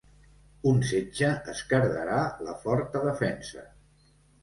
Un setge esquerdarà la forta defensa.